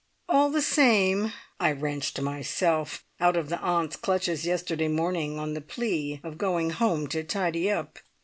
All the same I wrenched myself out of the aunts' clutches yesterday morning on the plea of going home to tidy up.